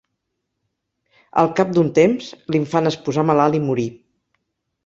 Al cap d'un temps, l'infant es posà malalt i morí.